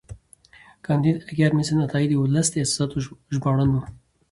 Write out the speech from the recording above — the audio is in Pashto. کانديد اکاډميسن عطایي د ولس د احساساتو ژباړن و.